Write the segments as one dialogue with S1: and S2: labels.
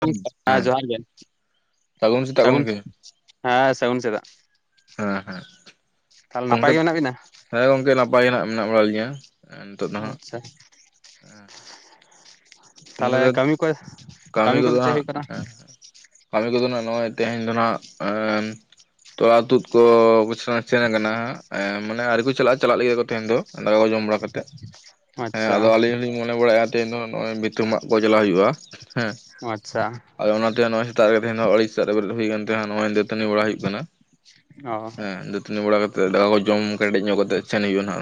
S1: ᱦᱮᱸ
S2: ᱦᱟᱸ ᱡᱚᱦᱟᱨ ᱜᱮ
S1: ᱥᱮᱛᱟᱜ
S2: ᱥᱟᱹᱜᱩᱱ
S1: ᱜᱚᱝᱠᱮ
S2: ᱦᱮᱸ ᱥᱟᱹᱜᱩᱱ ᱥᱮᱛᱟᱜ
S1: ᱦᱮᱸ ᱦᱮᱸ
S2: ᱛᱦᱞᱮ ᱱᱟᱯᱟᱭ
S1: ᱜᱚᱝᱠᱮ
S2: ᱜᱮ ᱢᱮᱱᱟᱜ ᱵᱤᱱᱟ
S1: ᱦᱮᱸ ᱜᱚᱝᱠᱮ ᱱᱟᱯᱟᱭ ᱜᱮ ᱱᱟᱜ ᱢᱮᱱᱟᱜ ᱵᱟᱲᱟ ᱞᱤᱧᱟᱹ ᱱᱤᱛᱚᱜ ᱫᱚ ᱦᱟᱸᱜ
S2: ᱟᱪᱪᱷᱟ
S1: ᱜᱚᱝᱠᱮ
S2: ᱛᱟᱞᱮ
S1: ᱫᱚ
S2: ᱠᱟᱹᱢᱤ ᱠᱚᱭ
S1: ᱠᱟᱹᱢᱤ ᱠᱚᱫᱚ ᱦᱟᱸᱜ ᱦᱮᱸ ᱠᱟᱹᱢᱤ ᱠᱚᱫᱚ ᱦᱟᱸᱜ ᱱᱚᱜᱼᱚᱭ ᱛᱮᱦᱤᱧ ᱫᱚ ᱦᱟᱸᱜ ᱛᱚᱞᱟ ᱛᱩᱫ ᱠᱚᱻ [unintelligible] ᱠᱟᱱᱟ ᱦᱟᱸᱜ ᱢᱟᱱᱮ ᱟᱹᱣᱨᱤ ᱠᱚ ᱪᱟᱞᱟᱜᱼᱟ ᱪᱟᱞᱟᱜ ᱞᱟᱹᱜᱤᱫ ᱠᱚ ᱛᱟᱦᱮᱱ ᱫᱚ ᱫᱟᱠᱟ ᱠᱚ ᱡᱚᱢ ᱵᱟᱲᱟ ᱠᱟᱛᱮᱜ ᱦᱮᱸ
S2: ᱟᱪᱪᱷᱟ
S1: ᱟᱫᱚ ᱟᱞᱤᱧ ᱦᱚᱸᱞᱤᱧ ᱢᱚᱱᱮ ᱵᱟᱲᱟᱭᱮᱜᱼᱟ ᱛᱮᱦᱮᱱ ᱫᱚ ᱱᱚᱜᱼᱚᱭ ᱵᱷᱤᱛᱟᱹ ᱢᱟᱜ ᱠᱚ ᱪᱟᱞᱟᱣ ᱦᱩᱭᱩᱜᱼᱟ ᱦᱮᱸ
S2: ᱟᱪᱪᱷᱟ
S1: ᱟᱨ ᱚᱱᱟᱛᱮ ᱱᱚᱜ-ᱚᱭ ᱥᱮᱛᱟᱜ ᱨᱮᱜᱮ ᱛᱟᱦᱮᱸᱧ ᱫᱚ ᱟᱹᱲᱤ ᱥᱮᱛᱟᱜ ᱨᱮ ᱵᱮᱨᱮᱫ ᱦᱩᱭ ᱠᱟᱱ ᱛᱮᱦᱟᱸᱜ ᱱᱜᱼᱚᱭ ᱫᱟᱹᱛᱟᱹᱱᱤ ᱵᱟᱲᱟ ᱦᱩᱭᱩᱜ ᱠᱟᱱᱟ
S2: ᱚ
S1: ᱦᱮᱸ ᱫᱟᱹᱛᱟᱹᱱᱤ ᱵᱟᱲᱟ ᱠᱟᱛᱮ ᱫᱟᱠᱟ ᱠᱚ ᱡᱚᱢ ᱠᱮᱴᱮᱡ ᱧᱚᱜ ᱠᱟᱛᱮ ᱪᱮᱱ ᱦᱩᱭᱩᱜᱼᱟ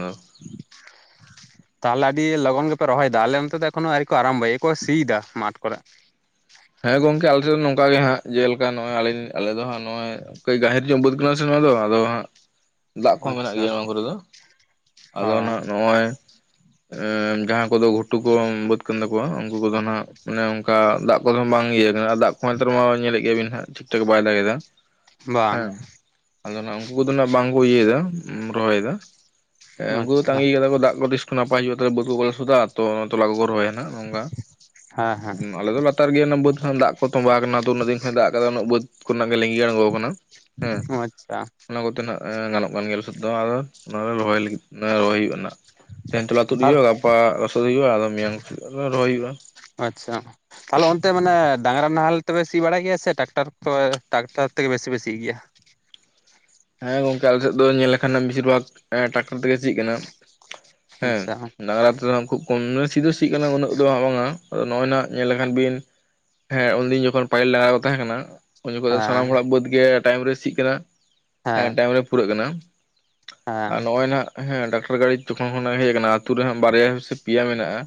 S2: ᱛᱟᱦᱟᱞᱮ ᱟᱹᱰᱤ ᱞᱚᱜᱚᱱ ᱜᱮᱯᱮ ᱨᱚᱦᱚᱭᱫᱟ ᱟᱞᱮ ᱚᱱᱛᱮ ᱫᱚ ᱮᱠᱷᱚᱱᱚ ᱟᱣᱨᱤ ᱠᱚ ᱟᱨᱟᱢᱵᱷᱚᱭᱟ ᱮᱭᱠᱚ ᱥᱤᱸᱫᱟ ᱢᱟᱴ ᱠᱚᱨᱮ ᱾
S1: ᱦᱮᱸ ᱜᱚᱝᱠᱮ ᱟᱞᱮ ᱥᱮᱫᱚ ᱱᱚᱝᱠᱟ ᱜᱮ ᱦᱟᱸᱜ ᱡᱮᱞᱮᱠᱟ ᱱᱚᱜᱼᱚᱭ ᱟᱞᱤᱞ ᱟᱞᱮ ᱫᱚ ᱦᱟᱸᱜ ᱱᱚᱜᱼᱚᱭ ᱾ ᱠᱟᱹᱡ ᱜᱟᱹᱦᱤᱨ ᱧᱚᱜ ᱵᱟᱹᱫ ᱠᱟᱱᱟ ᱥᱮ ᱱᱚᱣᱟ ᱫᱚ ᱟᱫᱚ ᱦᱟᱸᱜ ᱫᱟᱜ ᱠᱚᱦᱚᱸ ᱢᱮᱱᱟᱜ
S2: ᱟᱪᱪᱷᱟ
S1: ᱜᱮᱭᱟ ᱱᱚᱣᱟ ᱠᱚᱨᱮ ᱫᱚ
S2: ᱚ
S1: ᱟᱫᱚ ᱱᱟ ᱱᱚᱼᱚᱭ ᱡᱟᱦᱟᱸ ᱠᱚᱫᱚ ᱜᱷᱩᱴᱩ ᱠᱚ ᱵᱟᱹᱛ ᱠᱟᱱ ᱛᱟᱠᱚᱣᱟ ᱩᱱᱠᱩ ᱠᱚᱫᱚ ᱱᱟᱜ ᱢᱟᱱᱮ ᱚᱱᱠᱟ ᱫᱟᱜ ᱠᱚᱫᱚᱢ ᱵᱟᱝ ᱤᱭᱟᱹ ᱠᱟᱱᱟ ᱫᱟᱜ ᱠᱚᱦᱚ ᱱᱮᱛᱟᱨ ᱢᱟ ᱧᱮᱞᱮᱫ ᱜᱮᱭᱟᱵᱤᱱ ᱦᱟᱸᱜ ᱴᱷᱤᱠ ᱴᱷᱟᱠ ᱵᱟᱭ ᱫᱟᱜ ᱮᱫᱟ ᱾
S2: ᱵᱟᱝ
S1: ᱦᱮᱸ ᱟᱫᱚ ᱱᱟᱸᱜ ᱩᱱᱠᱩ ᱠᱚᱫᱚ ᱵᱟᱝᱠᱚ ᱤᱭᱟᱹᱭᱫᱟ ᱨᱚᱦᱚᱭᱫᱟ ᱾ ᱦᱮᱸ ᱩᱱᱠᱩ ᱫᱚ
S2: ᱟᱪᱪᱷᱟ
S1: ᱛᱟᱸᱜᱤ ᱠᱟᱫᱟ ᱠᱚ ᱫᱟᱜ ᱠᱚ ᱛᱤᱥ ᱠᱚ ᱱᱟᱯᱟᱭ ᱦᱩᱭᱩᱜᱼᱟ ᱛᱚᱵᱮ ᱵᱟᱹᱦᱩ ᱠᱚᱞᱮ ᱥᱩᱫᱦᱟ ᱟᱛᱚ ᱛᱚᱞᱟ-ᱛᱚᱞᱟ ᱠᱚ ᱠᱚ ᱨᱚᱦᱚᱭᱟ ᱾ ᱱᱚᱝᱠᱟ,
S2: ᱦᱮᱸ ᱦᱮᱸ
S1: ᱟᱞᱮ ᱫᱚ ᱞᱟ- ᱛᱟᱨ ᱜᱮ ᱚᱱᱟ ᱵᱟᱹᱛ ᱠᱷᱚᱱᱟᱜ ᱫᱟᱜ ᱠᱚ ᱛᱚᱸᱵᱟ ᱟᱠᱟᱱᱟ ᱛᱚ ᱩᱱᱟᱹᱜ ᱫᱤᱱ ᱠᱷᱚᱱ ᱫᱟᱜ ᱠᱟᱫᱟ ᱩᱱᱟᱹᱜ ᱵᱟᱹᱫ ᱠᱷᱚᱱᱟᱜ ᱜᱮ ᱞᱤᱜᱤ ᱟᱬᱜᱚ ᱠᱟᱱᱟ ᱾ ᱦᱮᱸ
S2: ᱟᱪᱪᱷᱟ
S1: ᱚᱱᱟ ᱠᱚᱛᱮ ᱱᱟᱜ ᱜᱟᱱᱚᱜ ᱠᱟᱱ ᱜᱮᱭᱟ ᱞᱚᱥᱚᱫ ᱫᱚ [unintelligible] ᱚᱱᱟ ᱨᱮ ᱨᱚᱦᱚᱭ ᱞᱟᱹᱜᱤᱫ ᱨᱚᱦᱚᱭ ᱦᱩᱭᱩᱜᱼᱟ ᱦᱟᱜ ᱾ ᱛᱮᱦᱮᱱ ᱛᱚᱞᱟ ᱛᱩᱫ
S2: ᱛᱟᱦᱚᱞᱮ
S1: ᱦᱩᱭᱩᱜᱼᱟ ᱜᱟᱯᱟ ᱨᱚᱥᱚᱫ ᱦᱩᱭᱩᱜᱼᱟ ᱟᱨᱦᱚ ᱢᱤᱭᱟᱝ ᱥᱮ ᱨᱚᱦᱚᱭ ᱦᱩᱭᱩᱜᱼᱟ
S2: ᱟᱪᱪᱷᱟ ᱛᱟᱦᱚᱞᱮ ᱚᱱᱛᱮ ᱢᱟᱱᱮ ᱰᱟᱝᱨᱟ ᱱᱟᱦᱮᱞ ᱛᱮ ᱯᱮ ᱥᱤ ᱵᱟᱲᱟᱭ ᱜᱮᱭᱟ ᱥᱮ ᱴᱟᱠᱴᱟᱨ, ᱴᱟᱠᱴᱟᱨ ᱛᱮᱜᱮ ᱵᱮᱥᱤ ᱯᱮ ᱥᱤ ᱜᱮᱭᱟ
S1: ᱦᱮᱸ ᱜᱚᱝᱠᱮ ᱟᱞᱮ ᱥᱮᱫ ᱫᱚ ᱧᱮᱞ ᱞᱮᱠᱷᱟᱱᱮᱢ ᱵᱮᱥᱤᱨ ᱵᱷᱟᱜᱽ ᱴᱟᱠᱴᱟᱨ ᱛᱮᱜᱮ ᱥᱤ ᱠᱟᱱᱟ ᱦᱮᱸ ᱰᱟᱝᱨᱟ ᱛᱮ ᱫᱚ ᱩᱱᱠᱩ- [unintelligible] ᱥᱤ ᱫᱚ ᱥᱤᱜ ᱠᱟᱱᱟ ᱩᱱᱟᱹᱜ ᱫᱚ ᱵᱟᱝ ᱟᱫᱚ ᱱᱚᱜᱼᱚᱭ ᱧᱮᱞ ᱞᱮᱠᱷᱟᱱ ᱵᱤᱱ ᱦᱮᱸ ᱩᱱᱫᱤᱱ ᱡᱚᱠᱷᱚᱱ ᱯᱟᱦᱤᱞ ᱰᱟᱝᱨᱟ ᱠᱚ ᱛᱟᱦᱮᱸ ᱠᱟᱱᱟ ᱩᱱ ᱡᱚᱠᱷᱚᱱ ᱫᱚ ᱥᱟᱱᱟᱢ ᱦᱚᱲᱟᱜ ᱵᱟᱹᱫᱽ ᱜᱮ ᱴᱟᱭᱤᱢ ᱨᱮ ᱥᱤᱜ ᱠᱟᱱᱟ
S2: ᱦᱮᱸ
S1: ᱴᱟᱭᱤᱢ ᱨᱮ ᱯᱩᱨᱟᱹᱜ ᱠᱟᱱᱟ
S2: ᱦᱮᱸ
S1: ᱟᱨ ᱱᱚᱼᱚᱭ ᱱᱟᱦᱟᱸᱜ ᱦᱮᱸ ᱰᱟᱠᱛᱟᱨ ᱜᱟᱹᱲᱤ ᱡᱚᱠᱷᱚᱱ ᱠᱷᱚᱱᱟᱜ ᱦᱮᱡ ᱟᱠᱟᱱᱟ ᱟᱹᱛᱩ ᱨᱮ ᱦᱟᱸᱜ ᱵᱟᱨᱭᱟ ᱥᱮ ᱯᱮᱭᱟ ᱢᱮᱱᱟᱜᱼᱟ